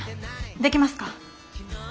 できますか？